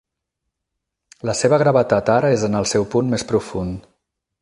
La seva gravetat ara és en el seu punt més profund.